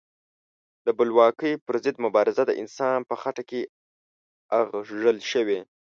د بلواکۍ پر ضد مبارزه د انسان په خټه کې اغږل شوې.